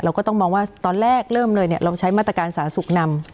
ก็ต้องมองว่าตอนแรกเริ่มเลยเนี่ยลองใช้มาตรการสาธารณสุขนำ